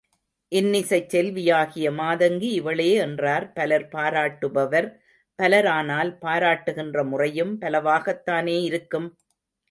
இன்னிசைச் செல்வியாகிய மாதங்கி இவளே என்றார் பலர் பாராட்டுபவர் பலரானால், பாராட்டுகின்ற முறையும் பலவாகத்தானே இருக்கும்?